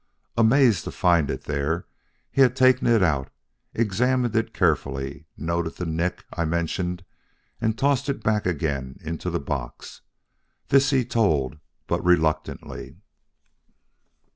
Amazed to find it there, he had taken it out, examined it carefully, noted the nick I mentioned and tossed it back again into the box. This he told, but reluctantly.